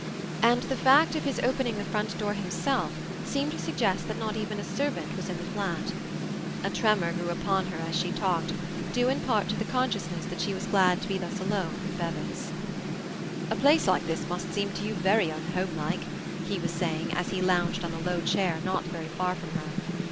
And the fact of his opening the front door himself seemed to suggest that not even a servant was in the flat. A tremor grew upon her as she talked, due in part to the consciousness that she was glad to be thus alone with Bevis. "A place like this must seem to you to be very unhomelike," he was saying, as he lounged on a low chair not very far from her.